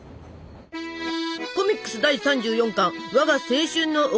コミックス第３４巻「我が青春のお菓子特集」。